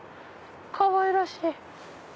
かわいらしい！